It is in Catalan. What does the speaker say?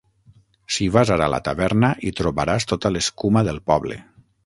Si vas ara a la taverna, hi trobaràs tota l'escuma del poble.